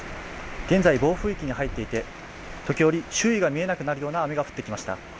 現在、暴風域に入っていて、時折周囲が見えなくなるほどの雨が降ってきました。